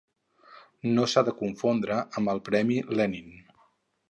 No s'ha de confondre amb el Premi Lenin.